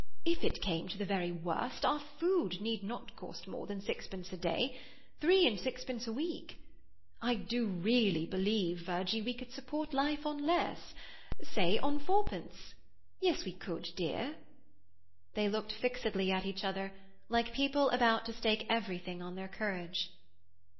"If it came to the very worst, our food need not cost more than sixpence a day—three and sixpence a week. I do really believe, Virgie, we could support life on less—say, on fourpence. Yes, we could dear!" They looked fixedly at each other, like people about to stake everything on their courage.